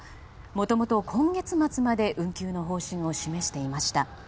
もともと今月末まで運休の方針を示していました。